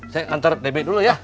saya antar debit dulu ya